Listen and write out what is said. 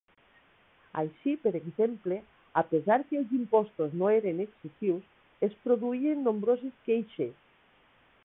Així, per exemple, a pesar que els impostos no eren excessius, es produïen nombroses queixes.